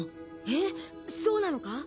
えっそうなのか？